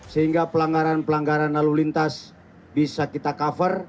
sehingga pelanggaran pelanggaran lalu lintas bisa kita cover